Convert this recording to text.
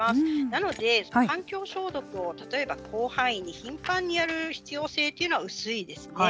なので環境消毒を例えば広範囲に頻繁にやる必要性というのは薄いですね。